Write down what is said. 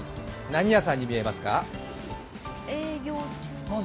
何屋さんに見えますか？